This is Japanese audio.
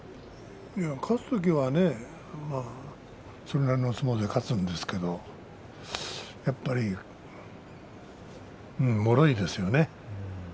勝つ時はそれなりの相撲で勝つんですけどやはりもろいですよね。